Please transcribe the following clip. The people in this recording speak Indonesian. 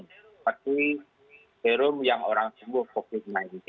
seperti serum yang orang sembuh covid sembilan belas